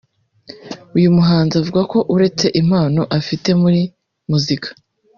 uyu muhanzi avuga ko uretse impano afite muri muzika